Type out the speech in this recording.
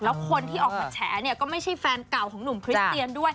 แล้วคนที่ออกมาแฉเนี่ยก็ไม่ใช่แฟนเก่าของหนุ่มคริสเตียนด้วย